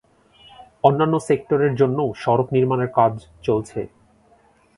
অন্যান্য সেক্টরের জন্যও সড়ক নির্মাণের কাজ চলছে।